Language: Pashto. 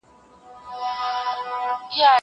زه مخکي لوبه کړې وه!!